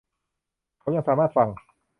เขายังสามารถฟัง